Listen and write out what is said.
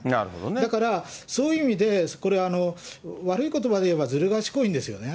だから、そういう意味で、これは悪いことばで言えばずるがしこいんですよね。